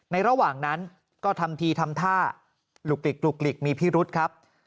ในระหว่างนั้นก็ทำทีทำท่าหลุกหลีกหลุกหลีกมีพี่รุ๊ดครับ